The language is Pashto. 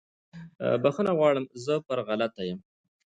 بخښنه غواړم زه پر غلطه یم